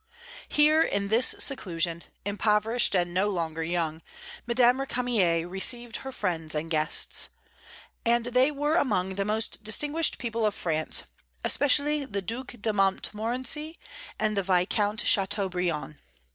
Here, in this seclusion, impoverished, and no longer young, Madame Récamier received her friends and guests. And they were among the most distinguished people of France, especially the Duc de Montmorency and the Viscount Châteaubriand.